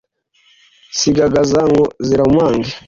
Sigagaza ngo zirumange